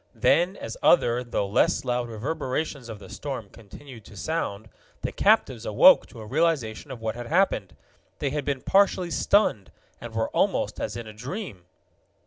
Then, as other, though less loud reverberations of the storm continued to sound, the captives awoke to a realization of what had happened. They had been partially stunned, and were almost as in a dream.